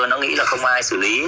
nó nghĩ là không ai xử lý